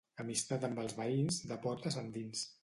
Amistat amb els veïns, de portes endins.